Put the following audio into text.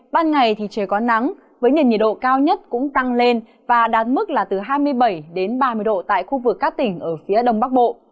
ban ngày thì trời có nắng với nền nhiệt độ cao nhất cũng tăng lên và đạt mức là từ hai mươi bảy đến ba mươi độ tại khu vực các tỉnh ở phía đông bắc bộ